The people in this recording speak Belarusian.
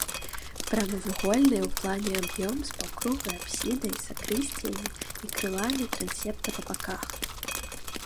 Прамавугольны ў плане аб'ём з паўкруглай апсідай, сакрысціямі і крыламі трансепта па баках.